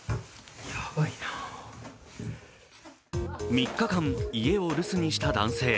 ３日間、家を留守にした男性。